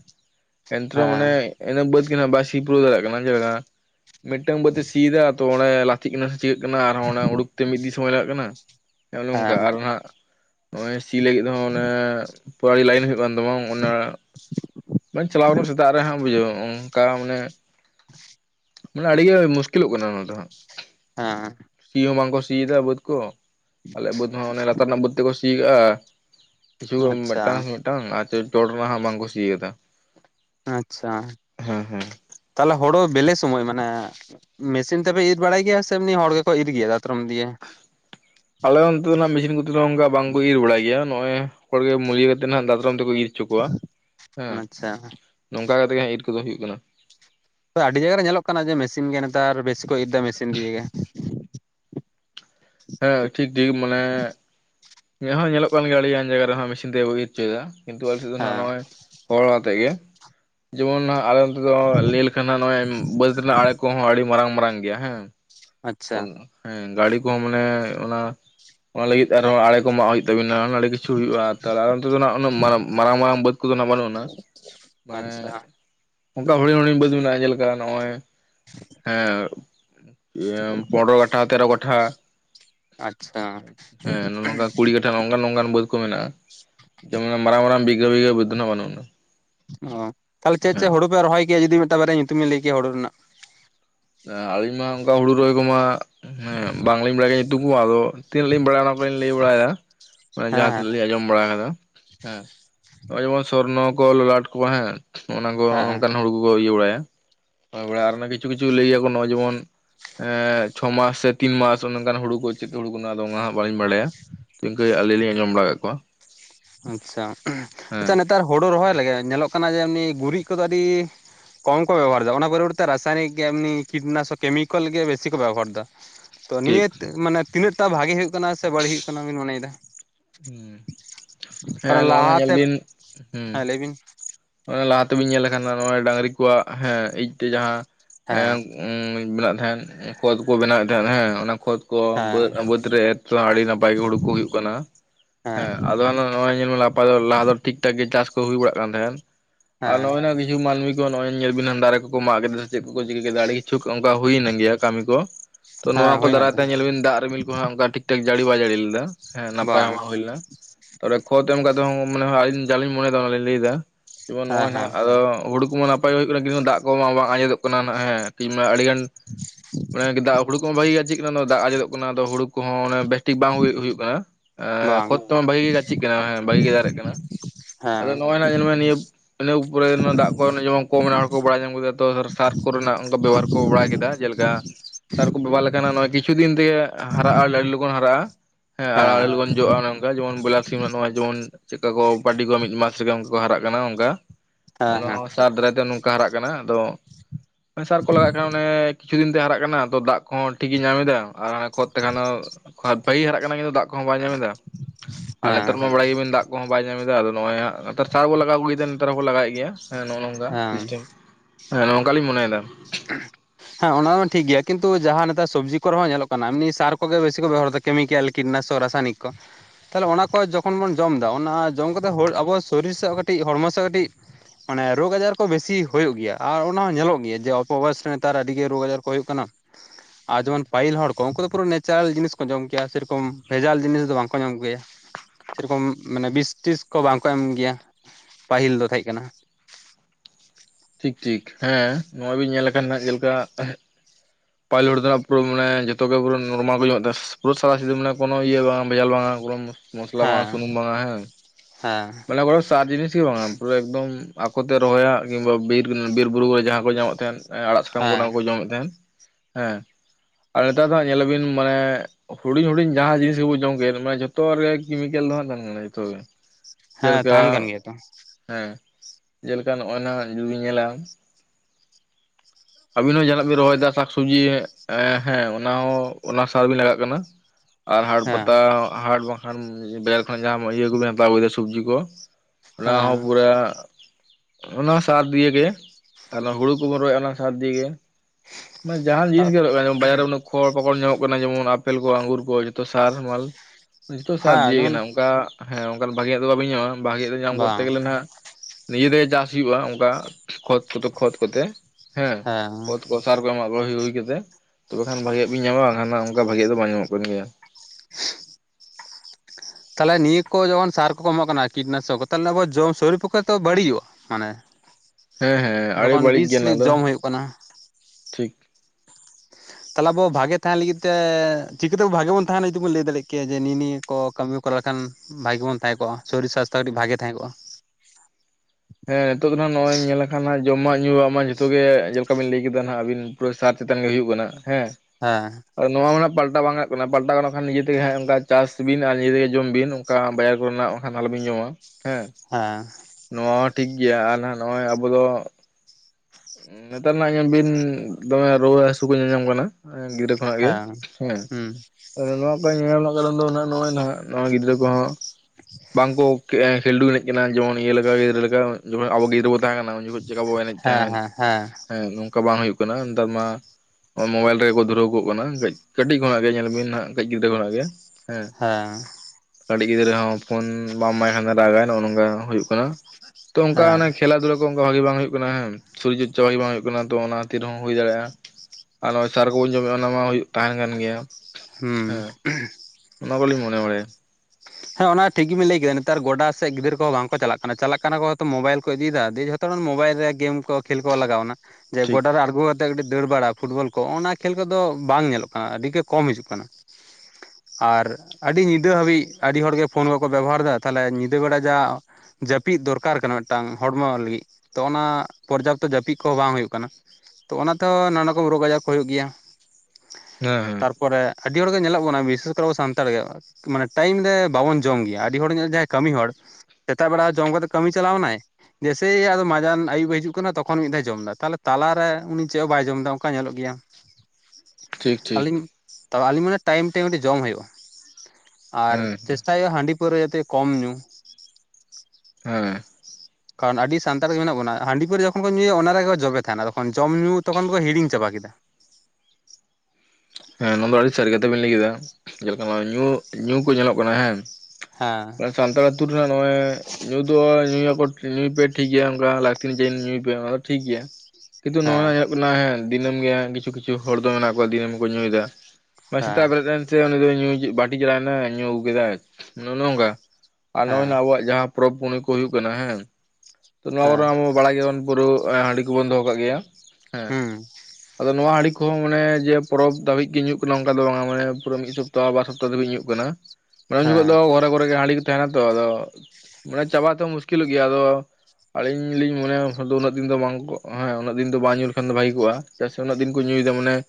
S1: ᱮᱛᱨᱚ
S2: ᱦᱮᱸ
S1: ᱢᱟᱱᱮ ᱤᱱᱟᱹ ᱵᱟᱹᱛ ᱜᱮᱱᱦᱟᱜ ᱵᱟᱭ ᱥᱤ ᱯᱨᱟᱹᱣ ᱫᱟᱲᱮᱭᱟᱜ ᱠᱟᱱᱟ ᱪᱮᱞᱮᱠᱟ ᱢᱤᱫᱴᱟᱝ ᱵᱟᱹᱛ ᱮ ᱥᱤ ᱮᱫᱟ ᱛᱚ ᱚᱸᱲᱮ ᱛᱷᱤ ᱠᱟᱱᱟ ᱥᱮ ᱪᱤᱠᱟᱹᱜ ᱠᱟᱱᱟ ᱟᱨᱦᱚᱸ ᱚᱱᱟ ᱩᱰᱩᱠ ᱛᱮ ᱢᱤᱫᱫᱤ ᱥᱚᱢᱚᱭ ᱞᱟᱜᱟᱜ ᱠᱟᱱᱟ ᱚᱱᱮᱝᱠᱟ
S2: ᱦᱮᱸ
S1: ᱟᱨ ᱦᱚᱸ ᱦᱟᱜ ᱱᱚ-ᱚᱭ ᱥᱤ ᱞᱟᱹᱜᱤᱫ ᱦᱚᱸ ᱚᱱᱮ ᱯᱟᱨᱟ ᱜᱮ ᱞᱟᱭᱤᱱ ᱦᱩᱭᱩᱜ ᱠᱟᱱ ᱛᱟᱢᱟ ᱚᱱᱟ ᱦᱚᱞᱟᱧ ᱪᱟᱞᱟᱣ ᱞᱮᱱᱟ ᱥᱮᱛᱟᱜ ᱨᱮ ᱦᱟᱸᱜ ᱵᱩᱡᱷᱟᱹᱣ ᱠᱟ ᱢᱟᱱᱮ, ᱢᱟᱱᱮ ᱟᱹᱰᱤ ᱜᱮ ᱢᱩᱥᱠᱤᱞᱚᱜ ᱠᱟᱱᱟ ᱚᱱᱟ ᱫᱚ ᱦᱟᱸᱜ
S2: [unintelligible]
S1: ᱥᱤ ᱦᱚᱸ ᱵᱟᱠᱚ ᱥᱤ ᱫᱟ ᱵᱟᱹᱛ ᱠᱚ ᱟᱞᱮᱭᱟᱜ ᱵᱟᱹᱫᱽ ᱦᱚᱸ ᱚᱱᱮ ᱞᱟᱛᱟᱨ ᱨᱮᱱᱟᱜ ᱵᱟᱹᱫᱽ ᱛᱮᱠᱚ ᱥᱤ ᱠᱟᱜᱼᱟ ᱠᱤᱪᱷᱩ
S2: ᱟᱪᱪᱷᱟ
S1: ᱢᱤᱫᱴᱟᱝ ᱢᱤᱫᱴᱟᱝ ᱟᱨ ᱪᱚᱴ ᱨᱮᱱᱟᱜ ᱦᱚᱸ ᱵᱟᱝ ᱠᱩ ᱥᱤ ᱠᱟᱫᱟ
S2: ᱟᱪᱪᱷᱟ,
S1: ᱦᱮᱸ ᱦᱮᱸ
S2: ᱛᱟᱦᱚᱞᱮ ᱦᱚᱲᱳ ᱵᱮᱞᱮ ᱥᱚᱢᱚᱭ ᱢᱟᱱᱮ ᱢᱮᱥᱤᱱ ᱛᱮᱯᱮ ᱤᱨ ᱵᱟᱲᱟᱭ ᱜᱮᱭᱟ ᱥᱮ ᱮᱢᱱᱤ ᱦᱚᱲ ᱜᱮᱠᱚ ᱤᱨ ᱜᱮᱭᱟ ᱫᱟᱛᱨᱚᱢ ᱫᱤᱭᱮ
S1: ᱟᱞᱮ ᱚᱱᱛᱮ ᱫᱚ ᱱᱟᱦᱟᱸᱜ ᱢᱮᱥᱤᱱ ᱠᱚᱛᱮ ᱫᱚ ᱚᱱᱠᱟ ᱵᱟᱝᱠᱚ ᱤᱨ ᱵᱟᱲᱟᱭ ᱜᱮᱭᱟ ᱱᱚ-ᱚᱭ ᱦᱚᱲᱜᱮ ᱢᱩᱞᱭᱟᱹ ᱠᱟᱛᱮᱜ ᱦᱟᱸᱜ ᱫᱟᱛᱨᱚᱢ ᱛᱮᱠᱚ ᱤᱨ ᱪᱚᱠᱚᱣᱟ ᱦᱮᱸ
S2: ᱟᱪᱪᱷᱟ
S1: ᱱᱚᱝᱠᱟ ᱠᱟᱛᱮᱜ ᱜᱮ ᱦᱟᱸᱜ ᱤᱨ ᱠᱚᱫᱚ ᱦᱩᱭᱩᱜ ᱠᱟᱱᱟ
S2: ᱟᱹᱰᱤ ᱡᱟᱭᱜᱟ ᱨᱮ ᱧᱮᱞᱚᱜ ᱠᱟᱱᱟ ᱡᱮ ᱢᱮᱥᱤᱱ ᱜᱮ ᱱᱮᱛᱟᱨ ᱵᱮᱥᱤ ᱠᱚ ᱤᱨ ᱫᱟ ᱢᱮᱥᱤᱱ ᱫᱤᱭᱮ
S1: [unintelligible] ᱢᱟᱱᱮ ᱧᱮᱞ ᱦᱚᱸ ᱧᱮᱞᱚᱜ ᱠᱟᱱ ᱜᱮᱭᱟ ᱟᱹᱰᱤ ᱜᱟᱱ ᱡᱟᱭᱜᱟ ᱨᱮᱦᱚᱸ ᱢᱮᱥᱤᱱ ᱛᱮ ᱠᱚ ᱤᱨ ᱦᱚᱪᱚᱭᱮᱫᱟ ᱠᱤᱱᱛᱩ ᱟᱞᱮ ᱥᱮᱫ ᱫᱚ ᱦᱟᱸᱜ
S2: ᱦᱮᱸ
S1: ᱱᱚᱼᱚᱭ ᱦᱚᱲ ᱟᱛᱮᱜ ᱜᱮ ᱡᱮᱢᱚᱱ ᱦᱟᱜ ᱟᱞᱮ ᱫᱚ ᱞᱟᱹᱭ ᱞᱮᱠᱷᱟᱱ ᱱᱚᱼᱚᱭ ᱵᱟᱹᱫᱽ ᱨᱮᱱᱟᱜ ᱟᱲᱮ ᱠᱚᱦᱚᱸ ᱟᱹᱰᱤ ᱢᱟᱨᱟᱝ ᱢᱟᱨᱟᱝ ᱜᱮᱭᱟ ᱦᱮᱸ ᱛᱚ
S2: ᱟᱪᱪᱷᱟ
S1: ᱦᱮᱸ ᱜᱟᱹᱲᱤ ᱠᱚᱦᱚᱸ ᱢᱟᱱᱮ ᱚᱱᱟ, ᱚᱱᱟ ᱞᱟᱹᱜᱤᱫ ᱛᱮ ᱟᱨᱦᱚᱸ ᱟᱲᱮ ᱠᱚ ᱢᱟᱜ ᱦᱩᱭᱩᱜ ᱛᱟᱵᱤᱱᱟ ᱟᱹᱰᱤ ᱠᱤᱪᱷᱩ ᱦᱩᱭᱩᱜᱼᱟ ᱛᱟᱦᱞᱮ ᱟᱨ ᱚᱱᱛᱮ ᱫᱚ ᱦᱟᱸᱜ ᱢᱟᱨᱟᱝ ᱢᱟᱨᱟᱝ ᱵᱟᱹᱫᱽ ᱠᱚᱫᱚ ᱱᱦᱟᱜ ᱵᱟᱹᱱᱩᱜ ᱟᱱᱟ
S2: ᱟᱪᱪᱷᱟ
S1: ᱢᱟᱱᱮᱜ ᱚᱱᱠᱟ ᱦᱩᱰᱤᱧ ᱦᱩᱰᱤᱧ ᱵᱟᱹᱫᱽ ᱢᱮᱱᱟᱜᱼᱟ ᱡᱮᱞᱮᱠᱟ ᱱᱚᱜᱼᱚᱭ ᱦᱮᱸ ᱯᱚᱱᱨᱚ ᱠᱟᱴᱷᱟ ᱛᱮᱨᱚ ᱠᱟᱴᱷᱟ
S2: ᱟᱪᱪᱷᱟ
S1: ᱦᱮᱸ ᱱᱚᱝᱠᱟ ᱠᱩᱲᱤ ᱠᱟᱴᱷᱟ ᱱᱚᱝᱠᱟᱱ ᱱᱚᱝᱠᱟᱱ ᱵᱟᱹᱫᱽ ᱠᱚ ᱢᱮᱱᱟᱜᱼᱟ ᱡᱮᱢᱚᱱ ᱢᱟᱨᱟᱝ ᱢᱟᱨᱟᱝ ᱵᱤᱜᱷᱟᱹ ᱵᱤᱜᱷᱟᱹ ᱵᱟᱹᱫᱽ ᱫᱚ ᱦᱟᱜ ᱵᱟᱹᱱᱩᱜ ᱟᱱᱟ
S2: ᱚ ᱛᱟᱦᱚᱞᱮ ᱪᱮᱫ
S1: ᱦᱮᱸ
S2: ᱪᱮᱫ ᱦᱩᱲᱩ ᱯᱮ ᱨᱚᱦᱚᱭ ᱠᱮᱭᱟ ᱡᱩᱫᱤ ᱢᱤᱫᱴᱟᱝ ᱵᱟᱨᱭᱟ ᱧᱩᱛᱩᱢ ᱵᱤᱧ ᱞᱟᱹᱭ ᱠᱮᱭᱟ ᱦᱩᱲᱩ ᱨᱮᱱᱟᱜ
S1: ᱦᱮᱸ ᱟᱞᱤᱧ ᱢᱟ ᱚᱱᱠᱟ ᱦᱩᱲᱩ ᱨᱚᱦᱚᱭ ᱠᱚᱢᱟ ᱦᱮᱸ ᱵᱟᱝᱞᱤᱧ ᱵᱟᱲᱟᱭ ᱜᱮᱭᱟ ᱧᱩᱛᱩᱢ ᱠᱚ ᱟᱫᱚ ᱛᱤᱱᱟᱹᱜ ᱞᱤᱧ ᱵᱟᱲᱟᱭᱟ ᱚᱱᱟ ᱠᱚᱞᱤᱧ ᱞᱟᱹᱭ ᱵᱟᱲᱟᱭᱟ ᱢᱟᱱᱮ
S2: ᱦᱮᱸ
S1: ᱡᱟᱦᱟᱸ ᱛᱤᱱᱟᱹᱜ ᱞᱤᱧ ᱟᱸᱡᱚᱢ ᱵᱟᱲᱟ ᱟᱠᱟᱫᱟ ᱦᱮᱸ ᱱᱚᱜᱼᱚᱭ ᱡᱮᱢᱚᱱ ᱥᱚᱨᱱᱚ ᱠᱚ ᱞᱚᱞᱟᱴ ᱠᱚ ᱦᱮᱸ ᱚᱱᱟ ᱠᱚ
S2: ᱦᱮᱸ
S1: ᱱᱚᱝᱠᱟᱱ ᱦᱚᱲᱩ ᱠᱚᱠᱚ ᱤᱭᱟᱹ ᱵᱟᱲᱟᱭᱟ ᱟᱨ ᱠᱤᱪᱷᱩ ᱠᱤᱪᱷᱩ ᱞᱟᱹᱭ ᱜᱮᱭᱟ ᱠᱚ ᱱᱚᱭ ᱡᱮᱢᱚᱱ ᱮ ᱪᱷᱚ ᱢᱟᱥ ᱥᱮ ᱛᱤᱱ ᱢᱟᱥ ᱩᱱᱚᱜᱟᱱ ᱦᱩᱲᱩ ᱠᱚ ᱪᱮᱫ ᱦᱩᱲᱩ ᱠᱟᱱᱟ ᱟᱫᱚ ᱚᱱᱟ ᱵᱟᱹᱞᱤᱧ ᱵᱟᱲᱟᱭᱟ ᱱᱤᱱᱠᱟᱹ ᱟᱞᱤᱧ ᱞᱤᱧ ᱟᱸᱡᱚᱢ ᱵᱟᱲᱟ ᱟᱠᱟᱜ ᱠᱚᱣᱟ
S2: ᱟᱪᱪᱷᱟ
S1: ᱦᱮᱸ
S2: ᱟᱪᱪᱷᱟ ᱱᱮᱛᱟᱨ ᱦᱩᱲᱩ ᱨᱚᱦᱚᱭ ᱨᱮᱜᱮ ᱧᱮᱞᱚᱜ ᱠᱟᱱᱟ ᱡᱮ ᱜᱩᱨᱤᱡ ᱠᱚᱫᱚ ᱟᱹᱰᱤ ᱠᱚᱢ ᱠᱚ ᱵᱮᱵᱚᱦᱟᱨᱫᱟ ᱚᱱᱟ ᱯᱚᱨᱤᱵᱚᱨᱛᱮ ᱨᱟᱥᱟᱭᱱᱤᱠ ᱮᱢᱱᱤ ᱠᱤᱴᱱᱟᱥᱚᱠ ᱠᱮᱢᱤᱠᱮᱞ ᱜᱮ ᱵᱮᱥᱤ ᱠᱚ ᱵᱮᱵᱚᱦᱟᱨᱮᱫᱟ ᱛᱚ
S1: ᱴᱷᱤᱠ
S2: ᱱᱤᱭᱟᱹ ᱢᱟᱱᱮ ᱛᱤᱱᱟᱹᱜ ᱴᱟᱜ ᱵᱷᱟᱜᱮ ᱦᱩᱭᱩᱜ ᱠᱟᱱᱟ ᱥᱮ ᱵᱟᱹᱲᱤᱡ ᱦᱩᱭᱩᱜ ᱠᱟᱱᱟ ᱵᱤᱱ ᱢᱚᱱᱮᱭ ᱮᱫᱟ ᱚᱱᱟ
S1: ᱦᱮᱸ ᱱᱚᱜᱼᱱᱟ ᱧᱮᱞ
S2: ᱞᱟᱦᱟᱛᱮ
S1: ᱵᱤᱱ ᱦᱩᱸ
S2: ᱦᱮᱸ ᱞᱟᱹᱭ ᱵᱤᱱ
S1: ᱞᱟᱦᱟ ᱛᱮᱵᱤᱱ ᱧᱮᱞ ᱞᱮᱱᱠᱷᱟᱱ ᱱᱚᱜᱚᱭ ᱰᱟᱺᱝᱨᱤ ᱠᱚᱣᱟᱜ ᱦᱮᱸ ᱤᱡ ᱛᱮ ᱡᱟᱦᱟᱸ ᱮ
S2: ᱦᱮᱸ
S1: ᱵᱮᱱᱟᱜ ᱛᱟᱦᱮᱸᱱ ᱠᱷᱚᱛ ᱠᱚ ᱵᱮᱱᱟᱣᱮᱫ ᱛᱟᱦᱮᱸᱫ ᱦᱮᱸ ᱚᱱᱟ ᱠᱷᱚᱛ ᱠᱚ ᱵᱟᱹᱫᱽ
S2: ᱦᱮᱸ
S1: ᱵᱟᱹᱫᱽ ᱨᱮ ᱮᱨ ᱛᱮ ᱟᱹᱰᱤ ᱱᱟᱯᱟᱭ ᱜᱮ ᱦᱩᱲᱩ ᱠᱚ ᱦᱩᱭᱩᱜ ᱠᱟᱱᱟ ᱦᱮᱸ ᱟᱫᱚ ᱦᱟᱜ ᱱᱚᱜᱚᱭ ᱧᱮᱞ ᱢᱮ ᱟᱯᱟᱛᱚᱛᱚ ᱞᱟᱦᱟ ᱫᱚ ᱴᱷᱤᱠ ᱴᱷᱟᱠ ᱜᱮ ᱪᱟᱥ ᱠᱚ ᱦᱩᱭ ᱵᱟᱲᱟᱜ ᱠᱟᱱ ᱛᱟᱦᱮᱸᱫ ᱟᱨ
S2: ᱦᱮᱸ
S1: ᱱᱚᱜᱚᱭ ᱱᱟᱜ ᱠᱤᱪᱷᱩ ᱢᱟᱹᱱᱢᱤ ᱠᱚ ᱱᱚᱜᱼᱚᱭ ᱧᱮᱞ ᱵᱤᱱ ᱫᱟᱨᱮ ᱠᱚᱠᱚ ᱢᱟᱜ ᱠᱮᱫᱟ ᱥᱮ ᱪᱮᱫ ᱠᱚ ᱪᱤᱠᱟᱹ ᱠᱮᱫᱟ ᱟᱹᱰᱤ ᱠᱤᱪᱷᱩ ᱚᱱᱠᱟ ᱦᱩᱭᱮᱱ ᱜᱮᱭᱟ ᱠᱟᱹᱢᱤ ᱠᱚ ᱛᱚ
S2: ᱦᱮᱸ
S1: ᱱᱚᱣᱟ ᱠᱚ
S2: ᱦᱩᱭᱱᱟ
S1: ᱫᱟᱨᱟᱭ
S2: ᱛᱚ
S1: ᱛᱮ ᱧᱮᱞ ᱵᱤᱱ ᱫᱟᱜ ᱨᱤᱢᱤᱞ ᱠᱚᱦᱚᱸ ᱚᱱᱠᱟ ᱴᱷᱤᱠ ᱴᱷᱟᱠ ᱡᱟᱹᱲᱤ ᱵᱟᱭ ᱡᱟᱹᱲᱤ ᱞᱮᱫᱟ ᱦᱮᱸ ᱱᱟᱯᱟᱭ ᱦᱚᱸ ᱵᱟᱝ ᱦᱩᱭ ᱞᱮᱱᱟ ᱛᱚᱯᱮ ᱠᱷᱚᱛ ᱮᱢ ᱠᱟᱛᱮ ᱦᱚᱸ ᱢᱟᱱᱮ ᱟᱹᱞᱤᱧ ᱡᱟ ᱞᱤᱧ ᱢᱚᱱᱮ ᱮᱫᱟ ᱚᱱᱟ ᱞᱤᱧ ᱞᱟᱹᱭ ᱮᱫᱟ ᱡᱮᱢᱚᱱ
S2: ᱦᱮᱸ
S1: ᱱᱚᱜᱼᱚᱭ ᱱᱟᱜ
S2: ᱦᱮᱸ
S1: ᱟᱫᱚ ᱦᱩᱲᱩ ᱠᱚᱢᱟ ᱱᱟᱯᱟᱭ ᱦᱩᱭᱩᱜ ᱠᱟᱱᱟ ᱠᱤᱱᱛᱩ ᱫᱟᱜ ᱠᱚᱢᱟ ᱢᱟ ᱵᱟᱝ ᱟᱸᱡᱮᱫᱚᱜ ᱠᱟᱱᱟ ᱦᱮᱸ ᱟᱞᱤᱧ ᱢᱟ ᱟᱹᱰᱤ ᱜᱟᱱ ᱢᱟᱱᱮ ᱫᱟᱜ ᱦᱩᱲᱩ ᱠᱚᱦᱚᱸ ᱵᱷᱟᱹᱜᱮ ᱜᱮ ᱜᱟᱪᱷᱤᱜ ᱠᱟᱱᱟ ᱫᱟᱜ ᱟᱸᱡᱮᱫᱚᱜ ᱠᱟᱱᱟ ᱟᱫᱚ ᱦᱩᱲᱩ ᱠᱚᱦᱚᱸ ᱵᱮᱥᱴᱷᱤᱠ ᱵᱟᱝ ᱦᱩᱭᱩᱜ ᱠᱟᱱᱟ
S2: ᱵᱟᱝ
S1: ᱠᱷᱚᱛ ᱛᱚᱢᱟ ᱵᱷᱟᱹᱜᱤ ᱜᱮ ᱜᱟᱪᱷᱤᱜ ᱠᱟᱱᱟ ᱦᱮ ᱵᱷᱟᱹᱜᱤ ᱜᱮ ᱫᱟᱨᱮᱜ ᱠᱟᱱᱟ
S2: ᱦᱮᱸ
S1: ᱟᱫᱚ ᱱᱚᱜᱼᱚᱭ ᱱᱟᱜ ᱧᱮᱞᱢᱮ ᱱᱤᱭᱟᱹ ᱤᱱᱟᱹ ᱯᱚᱨᱮ ᱫᱟᱜ ᱠᱚ ᱡᱮᱢᱚᱱ ᱠᱚᱢ ᱨᱮᱱᱟᱜ ᱦᱚᱲ ᱠᱚ ᱵᱟᱲᱟᱭ ᱧᱟᱢ ᱠᱮᱫᱟ ᱛᱚ ᱥᱟᱨ ᱠᱚᱨᱮ ᱚᱱᱠᱟ ᱵᱮᱵᱚᱦᱟᱨ ᱠᱚ ᱠᱚ ᱵᱟᱲᱟ ᱠᱮᱫᱟ ᱡᱮᱞᱮᱠᱟ ᱥᱟᱨ ᱠᱚ ᱵᱮᱵᱷᱟᱨ ᱞᱮᱠᱷᱟᱱ ᱱᱚᱜᱚᱭ ᱠᱤᱪᱷᱩ ᱫᱤᱱ ᱛᱮ ᱦᱟᱨᱟᱜᱼᱟ ᱟᱰᱤ ᱞᱚᱜᱚᱱ ᱦᱟᱨᱟᱜᱼᱟ ᱦᱮᱸ ᱟᱹᱰᱤ ᱞᱚᱜᱚᱱ ᱡᱚᱜᱼᱟ ᱠᱟ ᱡᱮᱢᱚᱱ ᱵᱚᱭᱞᱟᱨ ᱥᱤᱢ ᱱᱚᱜᱚᱭ ᱡᱮᱢᱚᱱ ᱪᱮᱠᱟ ᱠᱚ ᱯᱟᱴᱤ ᱠᱚ ᱢᱤᱫ ᱢᱟᱥ ᱨᱮᱜᱮ ᱠᱚ ᱦᱟᱨᱟᱜ ᱠᱟᱱᱟ ᱚᱱᱠᱟ ᱟᱫᱚ ᱥᱟᱨ ᱫᱟᱨᱟᱭ ᱛᱮ ᱱᱚᱝᱠᱟ ᱦᱟᱨᱟᱜ ᱠᱟᱱᱟ ᱟᱫᱚ ᱥᱟᱨ ᱠᱚ ᱞᱟᱜᱟᱜ ᱠᱟᱱᱟ ᱚᱱᱮ ᱠᱤᱪᱷᱩ ᱫᱤᱱ ᱛᱮ ᱦᱟᱨᱟᱜ ᱠᱟᱱᱟ ᱛᱚ ᱫᱟᱜ ᱠᱚᱦᱚᱸ ᱴᱷᱤᱠ ᱜᱮ ᱧᱟᱢ ᱮᱫᱟ ᱟᱨ ᱚᱱᱟ ᱠᱷᱚᱛ ᱛᱮᱠᱷᱟᱱ ᱫᱚ ᱠᱷᱚᱛ ᱯᱟᱹᱦᱤ ᱦᱟᱨᱟᱜ ᱠᱟᱱᱟ ᱠᱤᱱᱛᱩ ᱫᱟᱜ ᱠᱚᱦᱚᱸ ᱵᱟᱭ ᱧᱟᱢᱮᱫᱟ ᱟᱨ
S2: ᱦᱮᱸ ᱦᱮᱸ
S1: ᱱᱮᱛᱟᱨ ᱢᱟ ᱵᱟᱲᱟᱭ ᱜᱮᱭᱟᱵᱤᱱ ᱫᱟᱜ ᱠᱚᱦᱚᱸ ᱵᱟᱭ ᱧᱟᱢᱮᱫᱟ ᱟᱫᱚ ᱱᱚᱜᱼᱚᱭ ᱦᱟᱜ ᱱᱟᱨ ᱥᱟᱨ ᱵᱚ ᱞᱟᱜᱟᱣ ᱟᱹᱜᱩᱭᱮᱫᱟ ᱱᱮᱛᱟᱨ ᱦᱚᱸᱵᱚ ᱞᱟᱜᱟᱭᱮᱫ ᱜᱮᱭᱟ ᱦᱮᱸ ᱱᱚᱜᱚ ᱱᱚᱝᱠᱟ ᱥᱤᱥᱴᱮᱢ ᱦᱮᱸᱜ ᱱᱚᱝᱠᱟᱞᱤᱧ ᱢᱚᱱᱮᱭ ᱮᱫᱟ
S2: ᱦᱮᱸ ᱦᱮᱸ ᱚᱱᱟ ᱫᱚ ᱴᱷᱤᱠ ᱜᱮᱭᱟ ᱠᱤᱱᱛᱩ ᱡᱟᱦᱟᱸ ᱱᱮᱛᱟᱨ ᱥᱚᱵᱡᱤ ᱠᱚᱨᱮ ᱦᱚᱸ ᱧᱮᱞᱚᱜ ᱠᱟᱱᱟ ᱮᱢᱱᱤ ᱥᱟᱨ ᱠᱚᱜᱮ ᱵᱮᱥᱤ ᱠᱚ ᱵᱮᱵᱚᱦᱟᱨ ᱮᱫᱟ ᱠᱮᱢᱤᱠᱮᱞ ᱠᱤᱴᱱᱟᱥᱚᱠ ᱨᱟᱥᱟᱭᱟᱱᱤᱠ ᱠᱚ ᱛᱟᱦᱚᱞᱮ ᱚᱱᱟ ᱠᱚ ᱡᱚᱠᱷᱚᱱ ᱵᱚᱱ ᱡᱚᱢ ᱮᱫᱟ ᱚᱱᱟ ᱡᱚᱢ ᱠᱟᱛᱮᱫ ᱦᱚᱲ ᱟᱵᱚ ᱥᱚᱨᱤᱨ ᱥᱮᱫ ᱠᱟᱹᱴᱤᱡ ᱦᱚᱲᱢᱚ ᱥᱮᱫ ᱠᱟᱹᱴᱤᱡ ᱢᱟᱱᱮ ᱨᱳᱜᱽ ᱟᱡᱟᱨ ᱠᱚ ᱵᱮᱥᱤ ᱦᱩᱭᱩᱜ ᱜᱮᱭᱟ ᱟᱨ ᱚᱱᱟ ᱧᱮᱞᱚᱜ ᱜᱮᱭᱟ ᱡᱮ ᱚᱠᱛᱚ ᱵᱚᱭᱮᱥ ᱨᱮ ᱱᱮᱛᱟᱨ ᱟᱹᱰᱤ ᱜᱮ ᱨᱳᱜ ᱟᱡᱟᱨ ᱠᱚ ᱦᱩᱭᱩᱜ ᱠᱟᱱᱟ ᱟᱨ ᱡᱮᱢᱚᱱ ᱯᱟᱦᱤᱞ ᱦᱚᱲ ᱠᱚ ᱩᱱᱠᱩ ᱫᱚ ᱯᱩᱨᱟᱹ ᱱᱮᱪᱟᱨᱮᱞ ᱡᱤᱱᱤᱥ ᱠᱚ ᱡᱚᱢ ᱠᱮᱭᱟ ᱥᱮᱨᱚᱠᱚᱢ ᱵᱷᱮᱡᱟᱞ ᱡᱤᱱᱤᱥ ᱫᱚ ᱵᱟᱝᱠᱚ ᱡᱚᱢ ᱠᱮᱭᱟ ᱥᱮᱨᱚᱠᱚᱢ ᱢᱟᱱᱮ ᱵᱤᱥ ᱴᱤᱥ ᱠᱚ ᱵᱟᱝ ᱠᱚ ᱮᱢ ᱜᱮᱭᱟ ᱯᱟᱹᱦᱤᱞ ᱫᱚ ᱛᱟᱦᱮᱸ ᱠᱟᱱᱟ
S1: ᱴᱷᱤᱠ ᱴᱷᱤᱠ ᱦᱮᱸ ᱱᱚᱣᱟ ᱵᱤᱱ ᱧᱮᱞ ᱞᱮᱠᱷᱟᱱ ᱦᱟᱜ ᱡᱮᱞᱮᱠᱟ ᱯᱟᱦᱤᱞ ᱦᱚᱲ ᱫᱚ ᱯᱩᱨᱟᱹ ᱢᱟᱱᱮ ᱡᱚᱛᱚ ᱜᱮ ᱯᱩᱨᱟᱹ ᱱᱚᱨᱢᱟᱞ ᱠᱚ ᱡᱚᱢᱮᱜ ᱛᱟᱦᱮᱫ ᱯᱩᱨᱟᱹ ᱥᱟᱫᱟ ᱥᱤᱫᱟᱹ ᱠᱚᱱᱚ ᱤᱭᱟᱹ ᱵᱟᱝᱟ ᱵᱷᱮᱡᱟᱞ ᱵᱟᱝᱟ ᱠᱳᱱᱳ ᱢᱚᱥᱞᱟ ᱵᱟᱝᱟ
S2: ᱦᱮᱸ
S1: ᱥᱩᱱᱩᱢ ᱵᱟᱝᱟ ᱦᱮᱸ
S2: ᱦᱮᱸ
S1: ᱚᱱᱟ ᱠᱚ ᱥᱟᱨ ᱡᱤᱱᱤᱥ ᱜᱮ ᱵᱟᱝᱟ ᱯᱩᱨᱟᱹ ᱮᱠᱫᱚᱢ ᱟᱠᱚᱛᱮ ᱨᱚᱦᱚᱭᱟ ᱠᱤᱱᱵᱟ ᱵᱤᱨ ᱵᱤᱨ ᱵᱩᱨᱩ ᱠᱚᱨᱮ ᱡᱟᱦᱟᱸ ᱠᱚ ᱧᱟᱢᱚᱜ ᱛᱟᱦᱮᱸᱫ ᱮᱸ ᱟᱲᱟᱜ ᱥᱟᱠᱟᱢ ᱠᱚ
S2: ᱦᱮᱸ
S1: ᱚᱱᱟ ᱠᱚ ᱡᱚᱢᱮᱫ ᱛᱟᱦᱮᱸᱱ ᱦᱮᱸ ᱟᱨ ᱱᱮᱛᱟᱨ ᱫᱚ ᱦᱟᱜ ᱧᱮᱞ ᱟᱵᱤᱱ ᱢᱟᱱᱮ ᱦᱩᱰᱤᱧ ᱦᱩᱰᱤᱧ ᱡᱟᱦᱟᱸ ᱡᱤᱱᱤᱥ ᱜᱮᱵᱚ ᱡᱚᱢ ᱠᱮᱫ ᱢᱟᱱᱮ ᱡᱚᱛᱚ ᱟᱜ ᱨᱮᱜᱮ ᱠᱮᱢᱤᱠᱮᱞ ᱫᱚ ᱦᱟᱸᱜ ᱛᱟᱦᱮᱱ ᱠᱟᱱᱟ ᱡᱚᱛᱚ ᱜᱮ
S2: ᱦᱮᱸ
S1: ᱡᱮᱞᱮᱠᱟ
S2: ᱛᱟᱦᱮᱱ ᱠᱟᱱ ᱜᱮᱭᱟ ᱛᱚ
S1: ᱦᱮᱸ ᱡᱮᱞᱮᱠᱟ ᱱᱚᱜᱚᱭ ᱱᱟᱜ ᱡᱩᱜᱤᱧ ᱧᱮᱞᱟ ᱟᱵᱤᱱ ᱦᱚᱸ ᱡᱟᱦᱟᱱᱟᱜ ᱵᱤᱱ ᱨᱚᱦᱚᱭ ᱮᱫᱟ ᱥᱟᱠ ᱥᱚᱵᱡᱤ ᱦᱮᱸ ᱚᱱᱟᱦᱚᱸ ᱚᱱᱟ ᱥᱟᱨ ᱵᱤᱱ ᱞᱟᱜᱟᱜ ᱠᱟᱱᱟ? ᱟᱨ ᱦᱟᱴ
S2: ᱦᱮᱸ
S1: ᱯᱟᱛᱟ ᱦᱟᱴ ᱵᱟᱝ ᱠᱷᱟᱱ ᱵᱟᱡᱟᱨ ᱠᱷᱚᱱᱟᱜ ᱡᱟᱦᱟᱸ ᱤᱭᱟᱹ ᱠᱚᱵᱮᱱ ᱦᱟᱛᱟᱣ ᱟᱹᱜᱩᱭᱟ ᱥᱚᱵᱽᱡᱤ ᱠᱚ᱾ ᱚᱱᱟᱦᱚᱸ
S2: ᱦᱮᱸ
S1: ᱯᱩᱨᱟᱹ ᱚᱱᱟ ᱥᱟᱨ ᱫᱤᱭᱮ ᱜᱮ ᱟᱨ ᱦᱩᱲᱩ ᱠᱚᱵᱚᱱ ᱨᱚᱦᱚᱭᱟ ᱚᱱᱟ ᱥᱟᱨ ᱫᱤᱜᱮ ᱢᱟᱱᱮ ᱡᱟᱦᱟᱱ ᱡᱤᱱᱤᱥ ᱜᱮᱞᱚᱜ ᱠᱟᱱᱟ ᱵᱟᱡᱟᱨ ᱨᱮ ᱩᱱᱟᱜ ᱠᱷᱚᱲ ᱯᱟᱚᱠᱚᱲ ᱧᱟᱢᱚᱜ ᱠᱟᱱᱟ ᱡᱮᱢᱚᱱ ᱟᱯᱮᱞ ᱠᱚ ᱟᱝᱜᱩᱨ ᱠᱚ ᱡᱚᱛᱚ ᱥᱟᱨ ᱢᱟᱞ ᱡᱚᱛᱚ ᱥᱟᱨ
S2: ᱦᱮᱸ
S1: ᱫᱤᱭᱮ
S2: ᱡᱮᱢᱚᱱ
S1: ᱚᱱᱠᱟ ᱦᱮᱸ ᱚᱱᱠᱟ ᱵᱷᱟᱜᱮᱭᱟᱜ ᱫᱚ ᱵᱟᱵᱤᱱ ᱧᱟᱢᱟ ᱵᱷᱟᱜᱤᱭᱟᱜ ᱫᱚ ᱧᱟᱢ ᱠᱚᱨᱛᱮ
S2: ᱵᱟᱝ
S1: ᱜᱮᱞᱮ ᱱᱟᱜ ᱱᱤᱡᱮ ᱛᱮ ᱪᱟᱥ ᱦᱩᱭᱩᱜᱼᱟ ᱚᱱᱠᱟ ᱠᱷᱚᱛ ᱠᱷᱚᱛ ᱠᱷᱚᱛ ᱠᱚᱛᱮ᱾
S2: ᱦᱮᱸ
S1: ᱥᱟᱨ ᱠᱚ ᱮᱢᱟ ᱠᱚᱣᱟ ᱦᱩᱭᱛᱮᱫ ᱛᱚᱵᱮᱠᱷᱟᱱ ᱵᱷᱟᱜᱤᱭᱟᱜ ᱵᱤᱱ ᱧᱟᱢᱟ ᱵᱟᱝ ᱠᱷᱟᱱ ᱚᱱᱠᱟ ᱵᱷᱟᱜᱤᱭᱟᱜ ᱫᱚ ᱵᱟᱝ ᱧᱟᱢᱚᱜ ᱠᱟᱱ ᱜᱮᱭᱟ᱾
S2: ᱛᱟᱦᱚᱞᱮ ᱱᱤᱭᱟᱹ ᱠᱚ ᱡᱚᱠᱷᱚᱱ ᱥᱟᱨ ᱠᱚᱠᱚ ᱮᱢᱚᱜ ᱠᱟᱱᱟ ᱠᱤᱴᱱᱟᱥᱚᱠ ᱠᱚ ᱛᱟᱦᱚᱞᱮ ᱟᱵᱚ ᱡᱚᱢ ᱥᱚᱨᱤᱨ ᱯᱚᱠᱠᱷᱮ ᱛᱚ ᱵᱟᱹᱲᱤᱡᱚᱜ ᱟ᱾ ᱢᱟᱱᱮ
S1: ᱦᱮᱸ ᱦᱮᱸ ᱟᱹᱰᱤ
S2: ᱡᱚᱠᱷᱚᱱ
S1: ᱵᱟᱹᱲᱤᱡ
S2: ᱵᱤᱥ
S1: ᱜᱮᱭᱟ ᱱᱚᱣᱟ
S2: ᱞᱟᱹᱜᱤᱫ
S1: ᱫᱚ
S2: ᱡᱚᱢ ᱦᱩᱭᱩᱜ ᱠᱟᱱᱟ ᱾
S1: ᱴᱷᱤᱠ
S2: ᱛᱟᱦᱚᱞᱮ ᱟᱵᱚ ᱵᱷᱟᱜᱮ ᱛᱟᱦᱮᱱ ᱞᱟᱹᱜᱤᱫ ᱛᱮ ᱪᱤᱠᱟᱹ ᱛᱮᱵᱚ ᱵᱷᱟᱜᱮ ᱵᱚᱱ ᱛᱟᱦᱮᱱᱟ ᱡᱩᱫᱤ ᱵᱚᱱ ᱞᱟᱹᱭ ᱫᱟᱲᱮᱭᱟᱜ ᱠᱮᱭᱟ ᱡᱮ ᱱᱤᱭᱟᱹ ᱱᱤᱭᱟᱹ ᱠᱚ ᱠᱟᱹᱢᱤ ᱠᱚᱨᱟᱣ ᱞᱮᱠᱷᱟᱱ ᱵᱷᱟᱜᱮ ᱵᱚᱱ ᱛᱟᱦᱮᱸ ᱠᱚᱜᱼᱟ ᱾ ᱥᱚᱨᱤᱨ ᱥᱟᱥᱛᱷᱚ ᱠᱟᱹᱴᱤᱡ ᱵᱷᱟᱜᱮ ᱛᱟᱦᱮᱸ ᱠᱚᱜᱼᱟ᱾
S1: ᱦᱮᱸ ᱱᱤᱛᱚᱜ ᱫᱚᱦᱟᱜ ᱱᱚᱜᱼᱚᱭ ᱧᱮᱞ ᱞᱮᱠᱷᱟᱱ ᱦᱟᱜ ᱡᱚᱢᱟᱜ ᱧᱩᱣᱟᱜ ᱢᱟ ᱡᱚᱛᱚᱜ ᱜᱮ ᱪᱮᱫᱞᱮᱠᱟ ᱵᱤᱱ ᱞᱟᱹᱭ ᱠᱮᱫᱟ ᱦᱟᱜ ᱟᱹᱵᱤᱱ ᱯᱩᱨᱟᱹ ᱥᱟᱨ ᱪᱮᱛᱟᱱ ᱜᱮ ᱦᱩᱭᱩᱜ ᱠᱟᱱᱟ ᱦᱮᱸ
S2: ᱦᱮᱸ
S1: ᱟᱫᱚ ᱱᱚᱣᱟ ᱢᱟᱦᱟᱜ ᱯᱟᱞᱴᱟᱣ ᱵᱟᱝᱜᱟᱱᱚᱜ ᱠᱟᱱᱟ ᱯᱟᱞᱴᱟᱣ ᱜᱟᱱᱚᱜ ᱠᱷᱟᱱ ᱱᱤᱡᱮ ᱛᱮᱜᱮ ᱦᱟᱜ ᱚᱱᱠᱟ ᱪᱟᱥ ᱵᱤᱱ ᱟᱨ ᱱᱤᱡᱮᱜᱮ ᱡᱚᱢ ᱵᱤᱱ᱾ ᱚᱱᱠᱟ ᱵᱟᱡᱟᱨ ᱠᱚᱨᱮᱱᱟᱜ ᱚᱱᱠᱟ ᱟᱞᱚᱵᱤᱱ ᱡᱚᱢᱟ ᱾ ᱦᱮᱸ
S2: ᱦᱮᱸ
S1: ᱱᱚᱣᱟ ᱦᱚᱸ ᱴᱷᱤᱠ ᱜᱮᱭᱟ ᱟᱨ ᱱᱷᱟᱜ ᱱᱚᱜᱼᱚᱭ ᱟᱵᱚ ᱫᱚ ᱼᱼ ᱱᱮᱛᱟᱨ ᱱᱷᱟᱜ ᱞᱮᱧ ᱵᱤᱱ ᱫᱚᱢᱮ ᱨᱩᱣᱟᱹ ᱦᱟᱹᱥᱩ ᱠᱚ ᱧᱟᱧᱟᱢ ᱠᱟᱱᱟ᱾ ᱜᱤᱫᱽᱟᱹ ᱠᱚ ᱠᱷᱚᱱᱟᱜ ᱜᱮ
S2: ᱦᱮᱸ
S1: ᱦᱮᱸ
S2: ᱦᱩᱸ
S1: ᱛᱟᱦᱟᱞᱮ ᱱᱚᱣᱟ ᱠᱚ ᱧᱮᱞ ᱧᱟᱢ ᱨᱮᱱᱟᱜ ᱠᱟᱨᱚᱱ ᱫᱚ ᱩᱱᱟᱹᱜ ᱱᱚᱜᱼᱚᱭ ᱱᱟᱦᱟᱜ ᱱᱚᱣᱟ ᱜᱤᱫᱽᱨᱟᱹ ᱠᱚᱦᱚᱸ ᱵᱟᱝ ᱠᱚ ᱼᱼ [unintelligible] ᱠᱷᱮᱞᱰᱩ ᱮᱱᱮᱡ ᱠᱟᱱᱟ ᱡᱮᱢᱚᱱ ᱤᱭᱟᱹ ᱞᱮᱠᱟ ᱜᱤᱫᱨᱟᱹ ᱞᱮᱠᱟ ᱡᱚᱠᱷᱚᱱ ᱟᱵᱚ ᱜᱤᱫᱽᱨᱟᱹ ᱵᱚ ᱛᱟᱦᱮᱸ ᱠᱟᱱᱟ ᱩᱱ ᱡᱚᱠᱷᱚᱡ ᱼᱼ
S2: ᱦᱮᱸ ᱦᱮᱸ ᱦᱮᱸ
S1: ᱦᱮᱸ ᱱᱚᱝᱠᱟ ᱵᱟᱝ ᱦᱩᱭᱩᱜ ᱠᱟᱱᱟ ᱱᱮᱛᱟᱨ ᱢᱟ। ᱱᱚᱜᱼᱚᱭ ᱢᱳᱵᱟᱭᱤᱞ ᱨᱮ ᱜᱮ ᱠᱚ ᱫᱷᱩᱨᱟᱹᱣ ᱠᱚᱜ ᱠᱟᱱᱟ᱾ ᱠᱟᱹᱡ ᱠᱟᱹᱴᱤᱡ ᱠᱷᱚᱱᱟᱜ ᱜᱮ ᱧᱮᱞ ᱵᱤᱱ ᱱᱷᱟᱜ ᱠᱟᱹᱡ ᱜᱤᱫᱽᱨᱟᱹ ᱠᱷᱚᱱᱟᱜ ᱜᱮ। ᱦᱮᱸ ᱠᱟᱹᱴᱤᱡ ᱜᱤᱫᱽᱨᱟᱹ ᱦᱚᱸ ᱯᱷᱳᱱ ᱵᱟᱢ ᱮᱢᱟᱭ ᱠᱷᱟᱱ ᱫᱚ ᱨᱟᱜᱟᱭ᱾ ᱱᱚᱜᱼᱚ ᱱᱚᱝᱠᱟ ᱦᱩᱭᱩᱜ ᱠᱟᱱᱟ। ᱛᱚ ᱚᱱᱠᱟ
S2: ᱦᱮᱸ
S1: ᱚᱱᱮ ᱠᱷᱮᱞᱟ ᱫᱩᱞᱟ ᱠᱚ ᱚᱱᱠᱟ ᱵᱷᱟᱜᱤ ᱵᱟᱝ ᱦᱩᱭᱩᱜ ᱠᱟᱱᱟ ᱦᱮᱸ। ᱥᱚᱨᱩᱨ ᱪᱚᱨᱪᱟ ᱜᱮ ᱵᱟᱝ ᱦᱩᱭᱩᱜ ᱠᱟᱱᱟ ᱛᱚ ᱚᱱᱟ ᱠᱷᱛᱤᱨ ᱨᱮᱦᱚᱸ ᱦᱩᱭ ᱫᱟᱲᱮᱭᱟᱜᱼᱟ ᱾ ᱟᱨ ᱱᱚᱜᱼᱚᱭ ᱥᱟᱨ ᱠᱚᱵᱚᱱ ᱡᱚᱢᱮᱫᱼᱟ ᱚᱱᱟ ᱢᱟ ᱦᱩᱭᱩᱜ ᱛᱟᱦᱮᱱ ᱠᱟᱱ ᱜᱮᱭᱟ᱾
S2: ᱦᱩᱸ
S1: ᱦᱮᱸ ᱚᱱᱟ ᱵᱟᱞᱤᱧ ᱢᱚᱱᱮ ᱵᱟᱲᱟᱭᱟ।
S2: ᱦᱮᱸ ᱚᱱᱟ ᱴᱷᱤᱠ ᱜᱮᱵᱤᱱ ᱞᱟᱹᱭ ᱠᱮᱫᱟ ᱱᱮᱛᱟᱨ ᱜᱚᱰᱟ ᱥᱮᱫ ᱜᱤᱫᱽᱨᱟᱹ ᱠᱚ ᱦᱚᱸ ᱵᱟᱝᱠᱚ ᱪᱟᱞᱟᱜ ᱠᱟᱱᱟ᱾ ᱪᱟᱞᱟᱜ ᱠᱟᱱᱟ ᱠᱚ ᱦᱚᱭᱛᱚ ᱢᱚᱵᱟᱭᱤᱞ ᱠᱚ ᱤᱫᱤᱭᱮᱫᱟ᱾ [unintelligible] ᱡᱚᱛᱚ ᱦᱚᱲ ᱢᱳᱵᱟᱭᱤᱞ ᱨᱮ ᱜᱮᱢ ᱠᱚ ᱠᱷᱮᱞ ᱠᱚ ᱞᱟᱜᱟᱣᱱᱟ ᱡᱮ
S1: ᱴᱷᱤᱠ
S2: ᱜᱚᱰᱟ ᱨᱮ ᱟᱬᱜᱚ ᱼᱼ ᱠᱟᱹᱴᱤᱡ ᱫᱟᱹᱲ ᱵᱟᱲᱟ ᱯᱷᱩᱴᱵᱚᱞ ᱠᱚ ᱚᱱᱟ ᱠᱷᱮᱞ ᱠᱚᱫᱚ ᱵᱟᱝ ᱧᱮᱞᱚᱜ ᱠᱟᱱᱟ ᱟᱹᱰᱤ ᱜᱮ ᱠᱚᱢ ᱦᱤᱡᱩᱜ ᱠᱟᱱᱟ। ᱟᱨ ᱟᱹᱰᱤ ᱧᱤᱫᱟᱹ ᱦᱟᱹᱵᱤᱡ ᱟᱹᱰᱤ ᱦᱚᱲ ᱜᱮ ᱯᱷᱳᱱ ᱢᱟᱠᱚ ᱵᱮᱵᱚᱦᱟᱨᱮᱫᱟ᱾ ᱛᱟᱞᱦᱮ ᱧᱤᱫᱟᱹ ᱵᱮᱲᱟ ᱡᱟ ᱼᱼ ᱡᱟᱹᱯᱤᱫ ᱫᱚᱨᱠᱟᱨ ᱠᱟᱱᱟ ᱢᱤᱫᱴᱟᱱ ᱦᱚᱲᱢᱚ ᱞᱟᱹᱜᱤᱫ ᱛᱚ ᱚᱱᱟ ᱯᱚᱨᱡᱟᱯᱛᱚ ᱡᱟᱹᱯᱤᱫ ᱠᱚ ᱦᱚᱸ ᱵᱟᱝ ᱦᱩᱭᱩᱜ ᱠᱟᱱᱟ। ᱛᱚ ᱚᱱᱟ ᱛᱮᱦᱚᱸ ᱱᱟᱱᱟ ᱨᱚᱠᱚᱢ ᱨᱳᱜᱽ ᱟᱡᱟᱨ ᱠᱚ ᱦᱩᱭᱩᱜ ᱜᱮᱭᱟ।
S1: ᱦᱮᱸ ᱦᱮᱸ
S2: ᱛᱟᱨ ᱯᱚᱨᱮ ᱟᱹᱰᱤ ᱦᱚᱲᱜᱮ ᱧᱮᱞᱚᱜ ᱵᱚᱱᱟ ᱵᱤᱥᱮᱥ ᱠᱚᱨᱮ ᱟᱵᱚ ᱥᱟᱱᱛᱟᱲ ᱜᱮ ᱢᱟᱱᱮ ᱼᱼ ᱴᱟᱭᱤᱢ ᱨᱮ ᱵᱟᱵᱚᱱ ᱡᱚᱢ ᱜᱮᱭᱟ ᱟᱹᱰᱤ ᱦᱚᱲ [unintelligible] ᱡᱟᱦᱟᱸᱭ ᱠᱟᱹᱢᱤ ᱦᱚᱲ ᱥᱮᱛᱟᱜ ᱵᱮᱲᱟ ᱡᱚᱢ ᱠᱟᱛᱮᱫ ᱠᱟᱹᱢᱤ ᱪᱟᱞᱟᱣᱱᱟᱭ ᱡᱮᱥᱮ ᱟᱫᱚ ᱢᱟᱡᱟᱱ ᱟᱹᱭᱩᱵ ᱮ ᱦᱤᱡᱩᱜ ᱠᱟᱱᱟ ᱛᱚᱠᱷᱚᱱ ᱢᱤᱫ ᱫᱷᱟᱣ ᱡᱚᱢ ᱮᱫᱟ ᱛᱟᱦᱚᱞᱮ ᱛᱟᱞᱟᱨᱮ ᱩᱱᱤ ᱪᱮᱫ ᱦᱚᱸ ᱵᱟᱭ ᱡᱚᱢ ᱮᱫᱟ ᱚᱱᱠᱟ ᱧᱮᱞᱚᱜ ᱜᱮᱭᱟ।
S1: [inaudible] ᱴᱷᱤᱠ
S2: ᱟᱹᱞᱤᱧ ᱛᱟᱣ ᱟᱹᱞᱤᱧ ᱢᱟᱱᱮ ᱴᱟᱭᱤᱢ ᱴᱟᱭᱤᱢ ᱨᱮ ᱡᱚᱢ ᱦᱩᱭᱩᱜᱼᱟ। ᱟᱨ
S1: ᱦᱮᱸ
S2: ᱪᱮᱥᱴᱟᱭ ᱦᱩᱭᱩᱜᱼᱟ ᱦᱟᱺᱰᱤ ᱯᱟᱹᱣᱨᱟᱹ ᱡᱟᱛᱮ ᱠᱚᱢ ᱧᱩ।
S1: ᱦᱮᱸ
S2: ᱠᱟᱨᱚᱱ ᱟᱹᱰᱤ ᱥᱟᱱᱛᱟᱲ ᱜᱮ ᱢᱮᱱᱟᱜ ᱵᱚᱱᱟ ᱦᱟᱺᱰᱤ ᱯᱟᱹᱣᱨᱟᱹ ᱡᱚᱠᱷᱚᱱ ᱠᱚ ᱧᱩᱭᱟ ᱚᱱᱟ ᱨᱮᱜᱮᱠᱚ ᱡᱚᱵᱮ ᱛᱟᱦᱮᱱᱟ ᱛᱚᱠᱷᱚᱱ ᱡᱚᱢ ᱧᱩ ᱛᱚᱠᱷᱚᱱ ᱠᱚ ᱦᱤᱲᱤᱧ ᱪᱟᱵᱟ ᱠᱮᱫᱟ।
S1: ᱦᱮᱸ ᱱᱚᱣᱟ ᱫᱚ ᱟᱹᱰᱤ ᱥᱟᱹᱨᱤ ᱠᱟᱛᱷᱟ ᱵᱤᱱ ᱞᱟᱹᱭ ᱠᱮᱫᱟ᱾ ᱡᱮᱞᱮᱠᱟ ᱱᱚᱜᱼᱚᱭ ᱧᱩᱻ ᱧᱩ ᱠᱚ ᱧᱮᱞᱚᱜ ᱠᱟᱱᱟ ᱦᱮᱸ
S2: ᱦᱮᱸ
S1: ᱥᱟᱱᱛᱟᱲ ᱟᱹᱛᱩ ᱨᱮ ᱱᱚᱜᱼᱚᱭ ᱼᱼ ᱧᱩ ᱫᱚ ᱧᱩᱭᱟᱠᱚ ᱧᱩᱭ ᱯᱮ ᱴᱷᱤᱠ ᱜᱮᱭᱟ᱾ ᱚᱱᱠᱟ ᱞᱟᱹᱠᱛᱤ ᱚᱱᱩᱡᱟᱭᱤ ᱧᱩᱭ ᱯᱮ ᱚᱱᱟ ᱫᱚ ᱴᱷᱤᱠ ᱜᱮᱭᱟ। ᱠᱤᱱᱛᱩ ᱱᱚᱜᱼᱚᱭ
S2: ᱦᱮᱸ
S1: ᱱᱷᱟᱜ ᱧᱮᱞᱚᱜ ᱠᱟᱱᱟ ᱫᱤᱥᱟᱹᱢ ᱜᱮ ᱦᱟᱸᱜ ᱠᱤᱪᱷᱩ ᱠᱤᱪᱷᱩ ᱦᱚᱲ ᱫᱚ ᱢᱮᱱᱟᱜ ᱠᱚᱣᱟ ᱫᱤᱱᱟᱹᱢ ᱜᱮ ᱠᱚ ᱧᱩᱭᱮᱫᱟ। ᱢᱟᱱᱮ
S2: ᱦᱮᱸ
S1: ᱥᱮᱛᱟᱜ ᱵᱮᱨᱮᱫ ᱮᱱ ᱥᱮ ᱩᱱᱤ ᱫᱚ ᱧᱩ ᱵᱟᱹᱴᱤ ᱪᱟᱞᱟᱣᱮᱱᱟ ᱧᱩ ᱟᱹᱜᱩ ᱠᱮᱫᱟᱭ ᱚᱱᱮ ᱚᱝᱠᱟ। ᱟᱨ ᱱᱚᱜᱼᱚᱭ
S2: ᱦᱮᱸ
S1: ᱱᱷᱟᱜ ᱟᱵᱚᱣᱟᱜ ᱡᱟᱦᱟᱸ ᱯᱚᱨᱚᱵᱽ ᱯᱩᱱᱩᱭ ᱠᱚ ᱦᱩᱭᱩᱜ ᱠᱟᱱᱟ ᱦᱮᱸ ᱛᱚ ᱱᱚᱣᱟ
S2: ᱦᱮᱸ
S1: ᱠᱚᱨᱮ ᱟᱵᱚ ᱼᱼ ᱵᱟᱰᱟᱭ ᱜᱮᱭᱟᱰᱚᱱ ᱯᱟᱹᱣᱨᱟᱹ ᱦᱟᱺᱰᱤ ᱠᱚᱵᱚᱱ ᱫᱚᱦᱚ ᱠᱟᱜ ᱜᱮᱭᱟ ᱦᱮᱸ ᱟᱫᱚ ᱱᱚᱣᱟ ᱦᱟᱰᱤ ᱼᱼ ᱠᱚ ᱠᱚ ᱦᱚᱸ ᱢᱟᱱᱮ ᱡᱮ ᱯᱚᱨᱚᱵᱽ ᱫᱷᱟᱹᱵᱤᱡ ᱜᱮ ᱧᱩᱜ ᱠᱟᱱᱟ ᱚᱱᱠᱟ ᱫᱚ ᱵᱟᱝ ᱢᱟᱱᱮ ᱯᱩᱨᱟᱹ ᱢᱤᱫ ᱥᱚᱯᱛᱟᱦᱚ ᱵᱟᱨ ᱥᱚᱯᱛᱟᱦᱚ ᱫᱷᱟᱹᱵᱤᱡ ᱧᱩᱜ ᱠᱟᱱᱟ। ᱢᱟᱱᱮ ᱩᱱ ᱡᱚᱠᱷᱚᱡ
S2: ᱦᱮᱸ
S1: ᱫᱚ ᱜᱷᱚᱨᱮ ᱜᱷᱚᱨᱮ ᱜᱮ ᱦᱟᱺᱰᱤ ᱠᱚ ᱛᱟᱦᱮᱱᱟ ᱛᱚ ᱟᱫᱚ ᱢᱟᱱᱮ ᱪᱟᱵᱟᱜ ᱛᱮᱦᱚᱸ ᱢᱩᱥᱠᱤᱞᱚᱜ ᱜᱮᱭᱟ ᱟᱫᱚ। ᱟᱞᱤᱧ ᱞᱤᱧ ᱢᱚᱱᱮᱭᱟ ᱫᱚ ᱩᱱᱟᱹᱜ ᱫᱤᱱ ᱫᱚ ᱵᱟᱝ ᱠᱚᱜ ᱦᱮᱸ ᱩᱱᱟᱹᱜ ᱫᱤᱱ ᱫᱚ ᱵᱟᱝ ᱧᱩ ᱞᱮᱠᱷᱟᱱ ᱫᱚ ᱵᱷᱟᱜᱤ ᱠᱚᱜᱼᱟ। ᱪᱟᱜ ᱥᱮ ᱩᱱᱟᱹᱜ ᱫᱤᱱ ᱠᱚ ᱧᱩᱭᱮᱫᱟ ᱢᱟᱱᱮ ᱼᱼ